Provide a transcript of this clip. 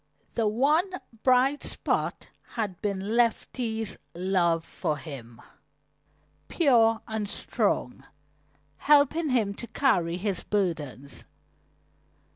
The one bright spot had been Letty's love for him, pure and strong, helping him to carry his burdens.